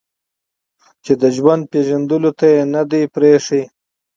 چې د ژوند پېژندلو ته يې نه ده پرېښې